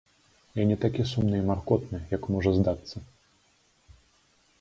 Я не такі сумны і маркотны, як можа здацца.